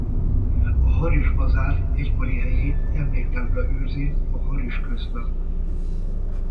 A Haris-bazár egykori helyét emléktábla őrzi a Haris közben.